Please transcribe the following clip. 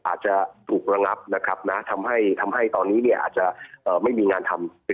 อาจจะถูกระงับนะครับนะทำให้ทำให้ตอนนี้เนี่ยอาจจะไม่มีงานทำ